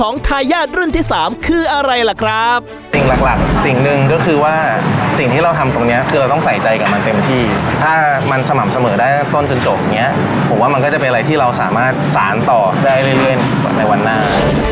นี้คือเราต้องใส่ใจกับมันเต็มที่ถ้ามันสม่ำเสมอได้ต้นจนจบอย่างเงี้ยผมว่ามันก็จะเป็นอะไรที่เราสามารถสารต่อได้เรื่อยเรื่อยกว่าในวันหน้า